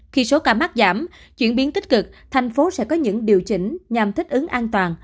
khi số ca mắc giảm chuyển biến tích cực thành phố sẽ có những điều chỉnh nhằm thích ứng an toàn